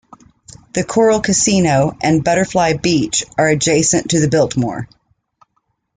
The 'Coral Casino' and 'Butterfly Beach' are adjacent to the Biltmore.